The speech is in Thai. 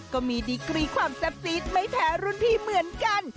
ก็มีดีกรีความแซ่บซีดไม่แพ้รุ่นพี่เหมือนกัน